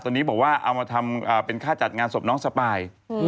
ตอนนี้บอกว่าเอามาทำเป็นค่าจัดงานศพน้องสปาย